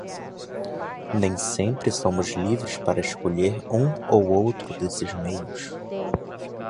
Nem sempre somos livres para escolher um ou outro desses meios.